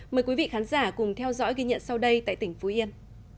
mời quý vị khán giả cùng theo dõi ghi nhận sau đây tại tỉnh phú yên